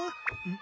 ん？